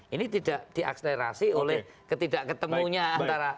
ini tidak diakselerasi oleh ketidak ketemunya antara